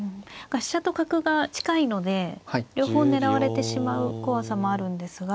飛車と角が近いので両方狙われてしまう怖さもあるんですが。